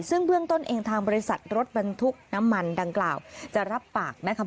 ซึ่งเบื้องต้นเองทางบริษัทรถบรรทุกน้ำมันดังกล่าวจะรับปากนะคะ